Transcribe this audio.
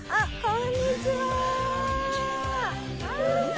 こんにちは。